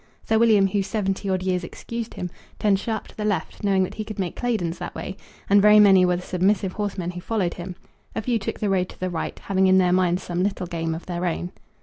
Sir William, whose seventy odd years excused him, turned sharp to the left, knowing that he could make Claydon's that way; and very many were the submissive horsemen who followed him; a few took the road to the right, having in their minds some little game of their own.